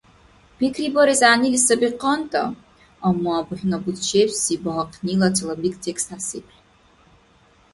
Пикрибарес гӀягӀнили саби къантӀа, амма бухӀнабуцчебси багьахънила цалабик текст хӀясибли